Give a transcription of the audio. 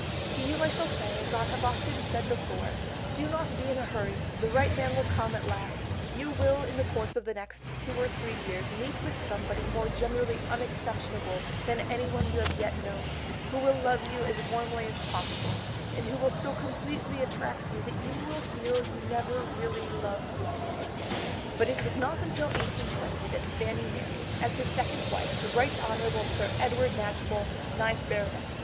To you I shall say, as I have often said before, Do not be in a hurry, the right man will come at last; you will in the course of the next two or three years meet with somebody more generally unexceptionable than anyone you have yet known, who will love you as warmly as possible, and who will so completely attract you that you will feel you never really loved before." But it was not until 1820 that Fanny married, as his second wife, the Rt. Hon. Sir Edward Knatchbull, 9th Bt.